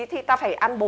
thì ta phải ăn bốn